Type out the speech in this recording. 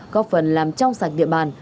góp phần làm trong sạch địa bàn